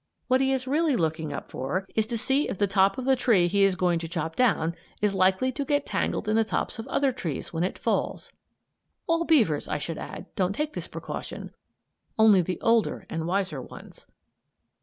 What he is really looking up for is to see if the top of the tree he is going to chop down is likely to get tangled in the tops of other trees when it falls. (All beavers, I should add, don't take this precaution; only the older and wiser ones.)